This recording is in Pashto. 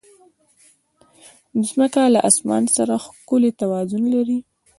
مځکه له اسمان سره ښکلی توازن لري.